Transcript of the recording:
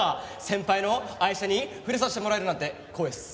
先輩の愛車に触れさせてもらえるなんて光栄っす。